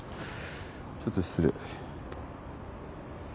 ちょっと失礼。